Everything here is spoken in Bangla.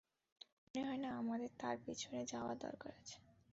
মনে হয় না আমাদের তার পিছনে যাওয়ার দরকার আছে।